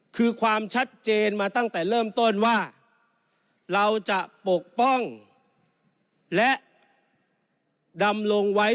คือความชัดเจนมาตั้งแต่เริ่มต้นว่าเราจะปกป้องและดำรงไว้